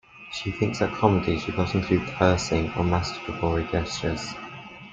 She thinks that comedy should not include cursing or masturbatory gestures.